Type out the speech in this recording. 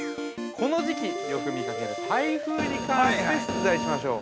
この時期、よく見かける台風に関して出題しましょう。